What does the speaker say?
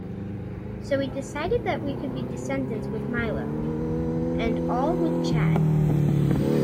So, we decided that we could be Descendents with Milo, and All with Chad.